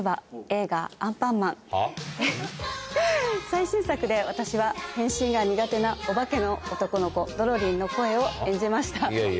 最新作で私は変身が苦手なお化けの男の子ドロリンの声を演じました。